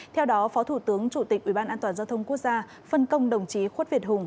theo đó phó thủ tướng chủ tịch ủy ban an toàn giao thông quốc gia phân công đồng chí khuất việt hùng